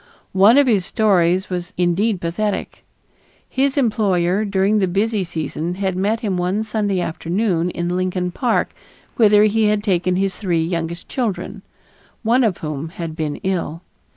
One of his stories was indeed pathetic. His employer, during the busy season, had met him one Sunday afternoon in Lincoln Park whither he had taken his three youngest children, one of whom had been ill.